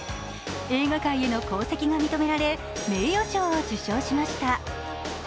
映画界への功績が認められ名誉賞を受賞しました。